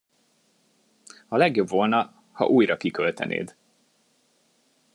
A legjobb volna, ha újra kiköltenéd.